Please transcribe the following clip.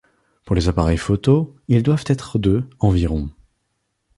Pour les appareils photos, ils doivent être de environ.